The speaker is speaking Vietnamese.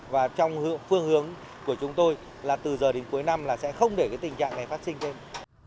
và trong phương hướng của chúng tôi là từ giờ đến cuối năm là sẽ không để tình trạng này phát sinh thêm